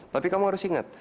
tapi kamu harus ingat